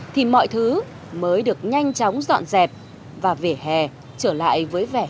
thì mọi thứ mới được nhanh chóng dọn dẹp và vỉa hè trở lại với vẻ